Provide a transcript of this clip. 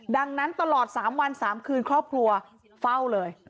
ดังนั้นตลอด๓วัน๓คืนครอบครัวเฝ้าเลย